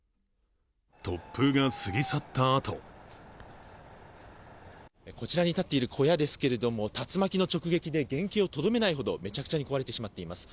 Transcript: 突風が過ぎ去ったあとこちらに建っている小屋ですけれども、竜巻の直撃で原形をとどめないほどめちゃめちゃに壊れてしまっています。